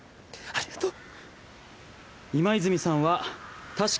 ありがとう。